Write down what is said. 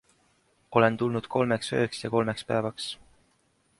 Olen tulnud kolmeks ööks ja kolmeks päevaks.